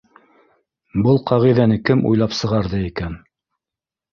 Был ҡағиҙәне кем уйлап сығарҙы икән?